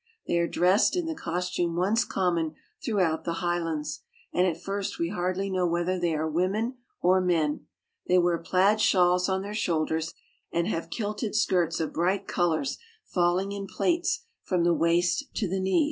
They are dressed in the cos tume once common through out the Highlands, and at first we hardly know whether they are women or men. They wear plaid shawls on their shoulders, and have kilted skirts of bright colors falling in plaits from the waist to the knee.